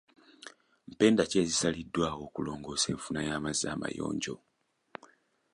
Mpenda ki ezisaliddwa okulongoosa enfuna y'amazzi amayonjo?